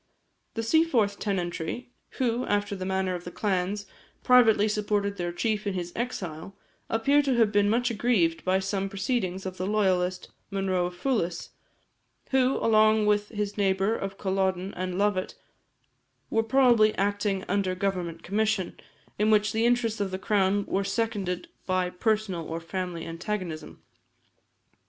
The Seaforth tenantry, who (after the manner of the clans) privately supported their chief in his exile, appear to have been much aggrieved by some proceedings of the loyalist, Monro of Fowlis, who, along with his neighbour of Culloden and Lovat, were probably acting under government commission, in which the interests of the crown were seconded by personal or family antagonism.